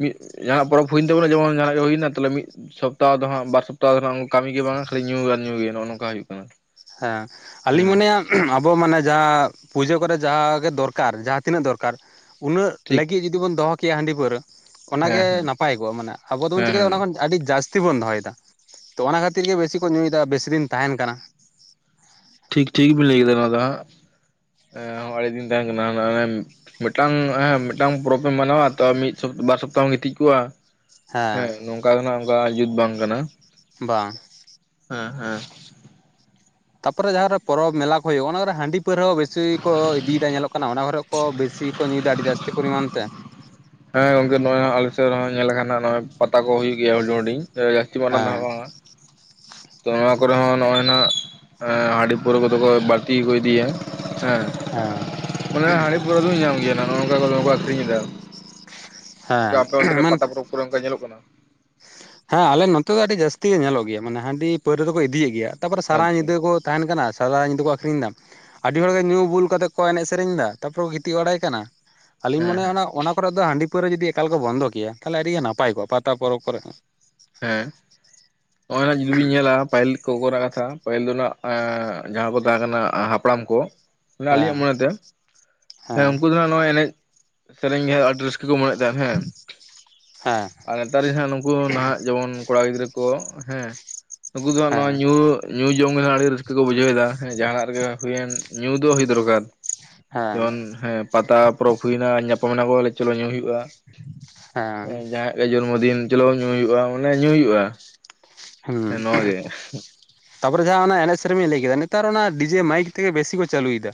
S1: ᱢᱤᱫ ᱡᱟᱦᱟᱱᱟᱜ ᱯᱚᱨᱚᱵᱽ ᱦᱩᱭᱮᱱ ᱛᱟᱵᱚᱱᱟ ᱡᱮᱢᱚᱱ ᱡᱟᱦᱱᱟᱜ ᱜᱮ ᱦᱩᱭᱮᱱᱟ ᱛᱟᱦᱟᱞᱮ ᱢᱤᱫ ᱥᱚᱯᱛᱟᱦᱚ ᱫᱚ ᱦᱟᱸᱜ ᱵᱟᱨ ᱥᱚᱯᱛᱚ [inaudible] ᱠᱟᱹᱢᱤ ᱜᱮ ᱵᱟᱝᱟ ᱠᱷᱟᱹᱞᱤ ᱧᱩ ᱟᱨ ᱧᱩ ᱜᱮ ᱱᱚᱜᱼ ᱱᱚᱝᱠᱟ ᱦᱩᱭᱩᱜ ᱠᱟᱱᱟ
S2: ᱦᱮᱸ ᱟᱹᱞᱤᱧ
S1: ᱦᱮᱸ
S2: ᱢᱚᱱᱮᱭᱟ ᱼᱼ ᱟᱵᱚ ᱢᱟᱱᱮ ᱡᱟᱦᱟᱸ ᱯᱩᱡᱟᱹ ᱠᱚᱨᱮ ᱡᱟ ᱜᱮ ᱫᱚᱨᱠᱟᱨ ᱡᱟᱦᱟᱸ ᱛᱤᱱᱟᱹᱜ ᱫᱚᱨᱠᱟᱨ ᱼᱼ ᱩᱱᱟᱹᱜ
S1: ᱴᱷᱤᱠ
S2: ᱞᱟᱹᱜᱤᱫ ᱡᱩᱫᱤ ᱵᱚᱱ ᱫᱚᱦᱚ ᱠᱮᱭᱟ ᱦᱟᱺᱰᱤ ᱯᱟᱹᱣᱨᱟᱹ ᱚᱱᱟ
S1: ᱦᱮᱸ
S2: ᱜᱮ
S1: ᱦᱮᱸ
S2: ᱱᱟᱯᱟᱭ ᱠᱚᱜᱼᱟ᱾ ᱢᱟᱱᱮ ᱟᱵᱚ ᱫᱚᱵᱚᱱ
S1: ᱦᱮᱸ
S2: ᱪᱤᱠᱟᱹᱭ-ᱟ
S1: ᱦᱮᱸ
S2: ᱚᱱᱟ ᱠᱷᱚᱱ ᱼᱼ ᱟᱹᱰᱤ ᱡᱟᱹᱥᱛᱤ ᱵᱚᱱ ᱫᱚᱦᱚᱭᱮᱫᱟ ᱛᱚ ᱚᱱᱟ ᱠᱷᱟᱹᱛᱤᱨ ᱜᱮ ᱵᱮᱥᱤ ᱠᱚ ᱧᱩᱭᱮᱫᱟ ᱵᱮᱥᱤ ᱫᱤᱱ ᱛᱟᱦᱮᱱ ᱠᱟᱱᱟ।
S1: ᱴᱷᱤᱠ ᱴᱷᱤᱠ ᱵᱤᱞ ᱞᱟᱹᱭ ᱟᱠᱟᱫᱟ ᱱᱚᱣᱟ ᱫᱚ ᱦᱟᱸᱜ। ᱦᱳᱭ ᱟᱹᱰᱤ ᱫᱤᱱ ᱛᱟᱦᱮᱸᱱ ᱠᱟᱱᱟ ᱦᱟᱱᱟ [unintelligible] ᱢᱤᱫᱴᱟᱝ ᱦᱮᱸ ᱢᱤᱫᱴᱟᱝ ᱯᱚᱨᱚᱵᱽ ᱮᱢ ᱢᱟᱱᱟᱣᱟ ᱛᱚ ᱢᱤᱫ ᱥᱚᱯᱛ- ᱵᱟᱨ ᱥᱚᱯᱛᱟᱦᱚᱢ ᱜᱤᱛᱤᱡ ᱠᱚᱜᱼᱟ। ᱦᱮᱸ ᱱᱚᱝᱠᱟᱱᱟᱜ ᱚᱱᱠᱟ ᱡᱩᱛ ᱵᱟᱝ ᱠᱟᱱᱟ
S2: ᱵᱟᱝ
S1: ᱦᱮᱸ ᱦᱮᱸ
S2: ᱛᱟᱯᱚᱨᱮ ᱡᱟᱦᱟᱸᱨᱮ ᱯᱚᱨᱚᱵᱽ ᱢᱮᱞᱟ ᱠᱚ ᱦᱩᱭᱩᱜ ᱚᱱᱟ ᱠᱚᱨᱮ ᱦᱟᱺᱰᱤ ᱯᱟᱹᱣᱨᱟᱹ ᱵᱮᱥᱤ ᱠᱚ ᱤᱫᱤᱭᱮᱫᱟ ᱧᱮᱞᱚᱜ ᱠᱟᱱᱟ ᱚᱱᱟ ᱠᱚᱨᱮ ᱠᱚ ᱵᱮᱥᱤ ᱠᱚ ᱱᱩᱭᱫᱟ ᱟᱹᱰᱤ ᱡᱟᱥᱛᱤ ᱯᱚᱨᱤᱢᱟᱱ ᱛᱮ
S1: ᱦᱮᱸ ᱜᱚᱝᱠᱮ ᱱᱚᱜ-ᱚᱭ ᱟᱞᱮᱥᱮᱫ ᱨᱮ ᱦᱚᱸ ᱧᱮᱞ ᱟᱠᱟᱱᱟ ᱱᱚᱜᱚᱭ ᱯᱟᱛᱟ ᱠᱚ ᱦᱩᱭᱩᱜ ᱜᱮᱭᱟ ᱦᱩᱰᱤᱧ ᱦᱩᱰᱤᱧ ᱡᱮᱢᱳᱱ [inaudible]
S2: ᱦᱮᱸ
S1: ᱵᱟᱝ-ᱟ ᱛᱚ ᱱᱚᱣᱟ ᱠᱚᱨᱮ ᱦᱚᱸ ᱱᱚᱜ-ᱚᱭ ᱱᱟᱦᱟᱜ ᱦᱟᱺᱰᱤ ᱯᱟᱹᱣᱨᱟᱹ ᱠᱚᱫᱚ ᱠᱚ ᱵᱟᱹᱲᱛᱤ ᱜᱮᱠᱚ ᱤᱫᱤᱭᱟ ᱦᱮᱸ
S2: ᱦᱮᱸ
S1: ᱚᱱᱟ ᱦᱟᱺᱰᱤ ᱯᱟᱹᱣᱨᱟᱹ ᱫᱚᱭ ᱧᱟᱢ ᱜᱮᱭᱟ ᱱᱚᱜ ᱱᱚᱝᱠᱟ ᱫᱚᱢᱮ ᱠᱚ ᱟᱠᱷᱨᱤᱧ ᱮᱫᱟ ᱜᱟᱝᱠᱮ
S2: ᱦᱮᱸ
S1: ᱟᱯᱮ ᱚᱱᱛᱮ ᱨᱮ
S2: ᱢᱟᱱ
S1: ᱯᱟᱛᱟ ᱯᱚᱨᱚᱵᱽ ᱠᱚᱨᱮ ᱚᱱᱠᱟ ᱧᱮᱞᱚᱜ ᱠᱟᱱᱟ
S2: ᱦᱮᱸ ᱟᱞᱮ ᱱᱚᱛᱮ ᱫᱚ ᱟᱹᱰᱤ ᱡᱟᱹᱥᱛᱤ ᱜᱮ ᱧᱮᱞᱚᱜ ᱜᱮᱭᱟ ᱢᱟᱱᱮ ᱦᱟᱺᱰᱤ ᱯᱟᱹᱣᱨᱟᱹ ᱫᱚᱠᱚ ᱤᱫᱤᱭᱮᱫ ᱜᱮᱭᱟ᱾ ᱛᱟᱯᱚᱨᱮ ᱥᱟᱨᱟ
S1: ᱟᱪᱪᱷᱟ
S2: ᱧᱤᱫᱟᱹ ᱠᱚ ᱼᱼ ᱛᱟᱦᱮᱱ ᱠᱟᱱᱟ ᱥᱟᱨᱟ ᱧᱤᱫᱟᱹ ᱠᱚ ᱟᱠᱷᱨᱤᱧ ᱮᱫᱟ। ᱟᱹᱰᱤ ᱦᱚᱲᱜᱮ ᱧᱩ ᱵᱩᱞ ᱠᱟᱛᱮ ᱠᱚ ᱮᱱᱮᱡ ᱥᱮᱨᱮᱧ ᱫᱟ ᱛᱟᱯᱚᱨᱮ ᱠᱚ ᱜᱤᱛᱤᱡ ᱵᱟᱲᱟᱭ ᱠᱟᱱᱟ ᱟᱹᱞᱤᱧ
S1: ᱦᱮᱸ
S2: ᱢᱚᱱᱮᱭᱟ
S1: ᱦᱮᱸ
S2: ᱚᱱᱟ ᱠᱚᱨᱮ ᱫᱚ ᱦᱟᱺᱰᱤ ᱯᱟᱹᱣᱨᱟᱹ ᱡᱩᱫᱤ ᱮᱠᱟᱞ ᱠᱚ ᱵᱚᱱᱫᱚ ᱠᱮᱭᱟ ᱛᱟᱦᱚᱞᱮ ᱟᱹᱰᱤᱜᱮ ᱱᱟᱯᱟᱭ ᱠᱚᱜ-ᱟ ᱯᱟᱛᱟ ᱯᱚᱨᱚᱵᱽ ᱠᱚᱨᱮ ᱦᱚᱸ
S1: ᱦᱮᱸ ᱱᱚᱜᱚᱭ ᱱᱟ ᱡᱩᱫᱤ ᱵᱤᱱ ᱧᱮᱞᱟ ᱯᱟᱹᱦᱤᱞ ᱠᱚ ᱠᱚᱨᱮᱱᱟᱜ ᱠᱟᱛᱷᱟ ᱯᱟᱹᱦᱤᱞ ᱫᱚ ᱦᱟᱸᱜ ᱡᱟᱦᱟᱸ ᱠᱚ ᱛᱟᱦᱮᱸ ᱠᱟᱱᱟ ᱦᱟᱯᱲᱟᱢ ᱠᱚ
S2: ᱦᱮᱸ
S1: ᱟᱞᱤᱧᱟᱜ ᱢᱚᱱᱮᱛᱮ ᱦᱮᱸ ᱩᱱᱠᱩ ᱫᱚᱦᱟᱜ ᱱᱚᱣᱟ ᱮᱱᱮᱡ ᱥᱮᱨᱮᱧ ᱜᱮ ᱟᱹᱰᱤ ᱨᱟᱹᱥᱠᱟᱹ ᱠᱚ ᱢᱚᱱᱮᱭᱮᱫ ᱛᱟᱦᱮᱸᱱ ᱦᱮᱸ
S2: ᱦᱮᱸ
S1: ᱟᱨ ᱱᱮᱛᱟᱨ ᱡᱟᱸᱦᱟ ᱱᱩᱠᱩ ᱱᱟᱦᱟᱜ ᱡᱮᱢᱚᱱ ᱠᱚᱲᱟ ᱜᱤᱫᱽᱨᱟᱹ ᱠᱚ ᱦᱮᱸ ᱱᱩᱠᱩ ᱫᱚ ᱱᱚᱣᱟ
S2: ᱦᱮᱸ
S1: ᱧᱩ ᱧᱩ ᱡᱚᱢ ᱜᱮᱦᱟᱜ ᱟᱹᱰᱤ ᱨᱟᱹᱥᱠᱟᱹ ᱠᱚ ᱵᱩᱡᱷᱟᱹᱣ ᱮᱫᱟ ᱡᱟᱦᱱᱟᱜ ᱨᱮᱜᱮ ᱦᱩᱭᱮᱱ ᱧᱩ ᱫᱚ ᱦᱩᱭ ᱫᱚᱨᱠᱟᱨ
S2: ᱦᱮᱸ
S1: ᱡᱮᱢᱚᱱ ᱦᱮᱸ ᱯᱟᱛᱟ ᱯᱚᱨᱚᱵᱽ ᱦᱩᱭᱱᱟ ᱧᱟᱯᱟᱢᱱᱟ ᱠᱚ ᱪᱚᱞᱚ ᱧᱩ ᱦᱩᱭᱩᱜ-ᱟ
S2: ᱦᱮᱸ
S1: ᱡᱚᱱᱢᱚ ᱫᱤᱱ ᱪᱚᱞᱚ ᱧᱩᱭ ᱦᱩᱭᱩᱜ-ᱟ ᱢᱟᱱᱮ ᱧᱩᱭ ᱦᱩᱭᱩᱜ-ᱟ
S2: ᱦᱮᱸ ᱛᱟᱯᱚᱨᱮ ᱡᱟᱦᱟᱸ ᱚᱱᱟ ᱮᱱᱮᱡ ᱥᱮᱨᱮᱧ ᱵᱤᱱ ᱞᱟᱹᱭ ᱠᱮᱫᱟ ᱱᱮᱛᱟᱨ ᱚᱱᱟ ᱰᱤᱡᱮ ᱢᱟᱭᱤᱠ ᱛᱮᱜᱮ ᱵᱮᱥᱤ ᱠᱚ ᱪᱟᱹᱞᱩᱭᱮᱫᱟ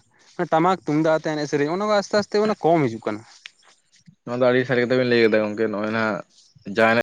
S2: ᱴᱟᱢᱟᱠ ᱛᱩᱢᱫᱟᱜᱛᱮ ᱮᱱᱮᱡ ᱥᱮᱨᱮᱧ ᱚᱱᱟ ᱠᱚ ᱟᱥᱛᱮ ᱟᱥᱛᱮ ᱢᱟᱱᱮ ᱠᱚᱢ ᱦᱤᱡᱩᱜ ᱠᱟᱱᱟ
S1: ᱱᱚᱣᱟ ᱫᱚ ᱟᱹᱰᱤ ᱥᱟᱹᱨᱤ ᱠᱟᱛᱷᱟ ᱵᱤᱱ ᱞᱟᱹᱭ ᱠᱮᱫᱟ ᱜᱚᱝᱠᱮ ᱱᱚᱜ-ᱚᱭ ᱱᱟᱦᱟᱜ ᱡᱟᱦᱟᱱᱟᱜ